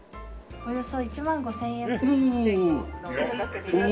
およそ１万５０００円。えっ！？おお。